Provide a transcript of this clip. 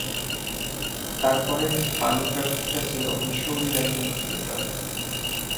তারপরের পাণিপ্রার্থীটা ছিল মিশৌরীর একজন সিনেটর।